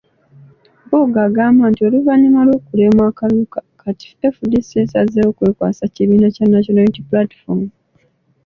Mpuuga agamba nti oluvannyuma lw’okulemwa akalulu kati FDC esazeewo kwekwasa kibiina kya National Unity Platform.